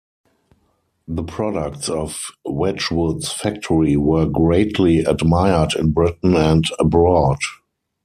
The products of Wedgwood's factory were greatly admired in Britain and abroad.